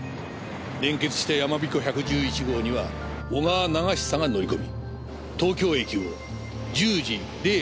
連結したやまびこ１１１号には小川長久が乗り込み東京駅を１０時０８分発車した。